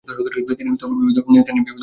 তিনি বিবিধ কাজ করেছেন।